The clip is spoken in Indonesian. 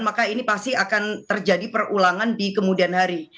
maka ini pasti akan terjadi perulangan di kemudian hari